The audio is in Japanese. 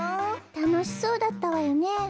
たのしそうだったわよね。